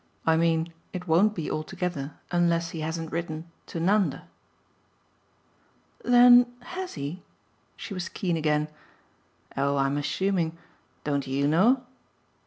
I mean it won't be altogether unless he hasn't written to Nanda." "Then HAS he?" she was keen again. "Oh I'm assuming. Don't YOU know?"